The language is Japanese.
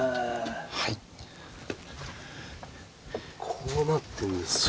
こうなってんですね。